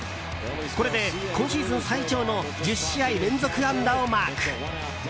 これで、今シーズン最長の１０試合連続安打をマーク。